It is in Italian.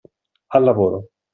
Al lavoro!